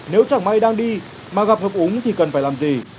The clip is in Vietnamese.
nếu chẳng may đang đi mà gặp hợp úng thì cần phải làm gì